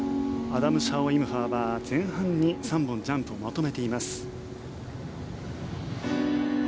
アダム・シャオ・イム・ファは前半に３本ジャンプをまとめています。